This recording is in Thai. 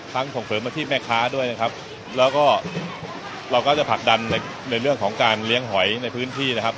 ส่งเสริมอาชีพแม่ค้าด้วยนะครับแล้วก็เราก็จะผลักดันในในเรื่องของการเลี้ยงหอยในพื้นที่นะครับ